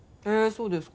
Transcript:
そうですか。